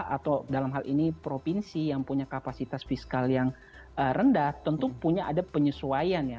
atau dalam hal ini provinsi yang punya kapasitas fiskal yang rendah tentu punya ada penyesuaian ya